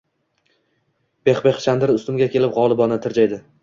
Pixpix Chandr ustimga kelib, g‘olibona tirjaydi: